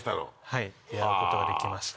はい出合うことができました。